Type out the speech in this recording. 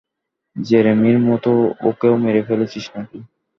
জেরেমির মতো ওকেও মেরে ফেলেছিস নাকি?